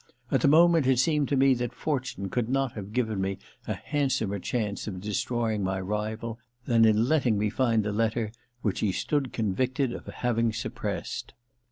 At the moment, it seemed to me that fortune could not have given me a handsomer chance of destroying my rival than in letting me find the letter which he stood convicted of having suppressed.